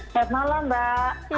selamat malam mbak